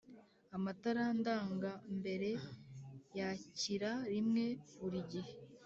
Amatara ndangambere yakira rimwe buri gihe